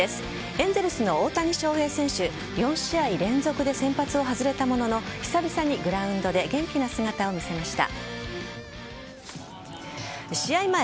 エンゼルスの大谷翔平選手４試合連続で先発を外れたものの久々にグラウンドで元気な姿を見せました。